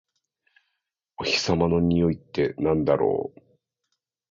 お日様のにおいってなんだろう？